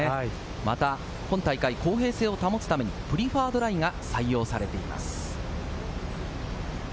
今大会、公平性を保つため、プリファードライが採用されています。